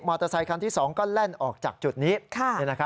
อเตอร์ไซคันที่๒ก็แล่นออกจากจุดนี้